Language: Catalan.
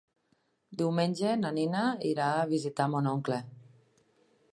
Diumenge na Nina irà a visitar mon oncle.